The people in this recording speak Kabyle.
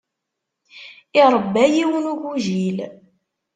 Iṛebba yiwen n ugujil.